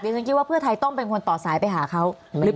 ฉันคิดว่าเพื่อไทยต้องเป็นคนต่อสายไปหาเขา